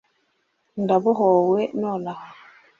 ndabohowe nonaha